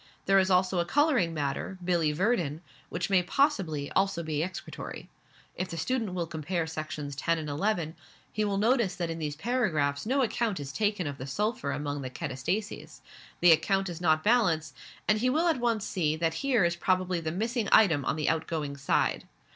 There is also a colouring matter, bili verdin, which may possibly also be excretory. If the student will compare Sections 10 and 11, he will notice that in those paragraphs no account is taken of the sulphur among the katastases, the account does not balance, and he will at once see that here probably is the missing item on the outgoing side.